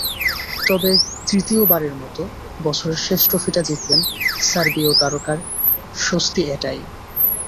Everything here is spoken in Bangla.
তবে তৃতীয়বারের মতো বছরের শেষ ট্রফিটা জিতলেন, সার্বীয় তারকার স্বস্তি এটাই।